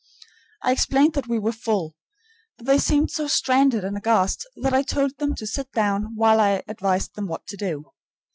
I explained that we were full, but they seemed so stranded and aghast, that I told them to sit down while I advised them what to do.